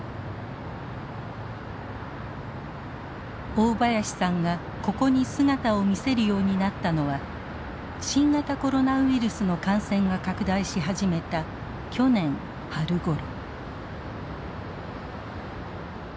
大林さんがここに姿を見せるようになったのは新型コロナウイルスの感染が拡大し始めた去年春ごろ。